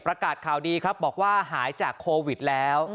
ประกาศข่าวดีครับบอกว่าหายจากโควิดแล้ว